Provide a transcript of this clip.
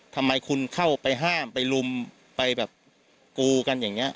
ทำไมคุณเข้าไปห้ามไปลุมไปแบบกูกันอย่างนี้